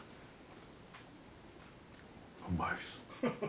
うまいっす。